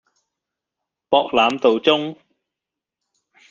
博覽道中